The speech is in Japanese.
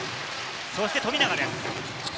そして富永です。